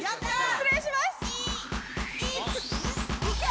失礼しますいけ！